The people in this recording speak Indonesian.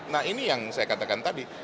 nah ini yang saya katakan tadi